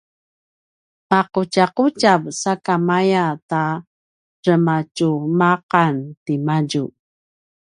maqutjaqutjav sakamaya ta rematjumaqan timadju